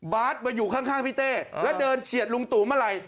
บาทมาอยู่ข้างพี่เต้แล้วเดินเฉียดลุงตู่มาลัย